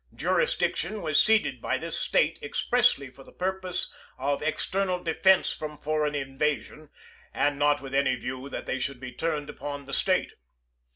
Jurisdiction was ceded by this State expressly for the purpose of external defense from foreign invasion, and not with any view that they should be turned upon the State.